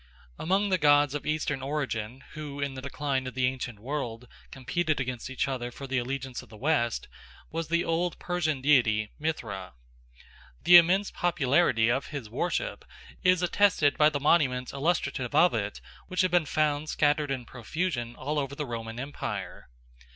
Among the gods of eastern origin who in the decline of the ancient world competed against each other for the allegiance of the West was the old Persian deity Mithra. The immense popularity of his worship is attested by the monuments illustrative of it which have been found scattered in profusion all over the Roman Empire.